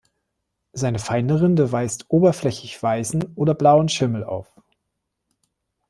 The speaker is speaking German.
Seine feine Rinde weist oberflächig weißen oder blauen Schimmel auf.